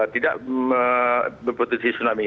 tidak berpotensi tsunami